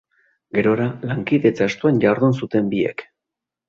Gerora, lankidetza estuan jardun zuten biek.